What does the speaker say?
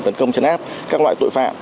tấn công chấn áp các loại tội phạm